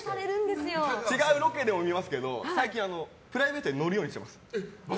違うロケでも見ますけど最近、プライベートでも乗るようにしてます。